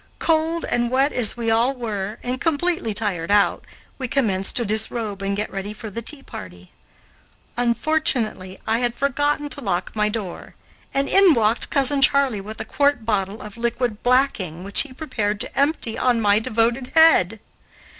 Cold and wet as we all were, and completely tired out, we commenced to disrobe and get ready for the tea party. Unfortunately I had forgotten to lock my door, and in walked Cousin Charley with a quart bottle of liquid blacking, which he prepared to empty on my devoted head.